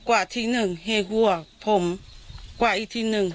กว่าทีนึงให้หัวผมกว่าอีกทีนึง